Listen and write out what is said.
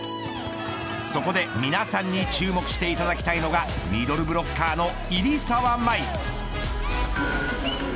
そこで、皆さんに注目していただきたいのがミドルブロッカーの入澤まい。